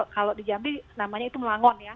kalau di jambi namanya itu melangon ya